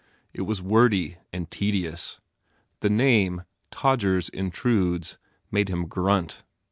It was wordy and tedious. The name, "Todgers Intrudes," made him grunt.